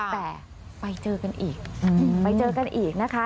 แต่ไปเจอกันอีกไปเจอกันอีกนะคะ